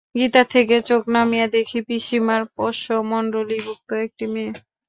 গীতা থেকে চোখ নামিয়ে দেখি, পিসিমার পোষ্যমণ্ডলীভুক্ত একটি মেয়ে।